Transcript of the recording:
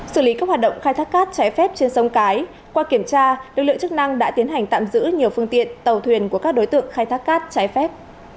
xử lý các hoạt động khai thác cát trái phép trên sông cái qua kiểm tra lực lượng chức năng đã tiến hành tạm giữ nhiều phương tiện tàu thuyền của các đối tượng khai thác cát trái phép